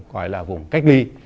gọi là vùng cách ly